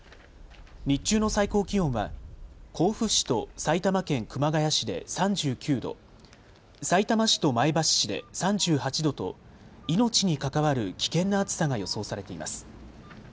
日中の最高気温は甲府市と埼玉県熊谷市で３９度、さいたま市と前橋市で３８度と命に関わる危険な暑さが予想されています。